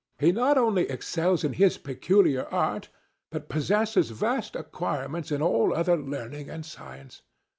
"He not only excels in his peculiar art, but possesses vast acquirements in all other learning and science.